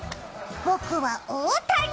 僕は大谷！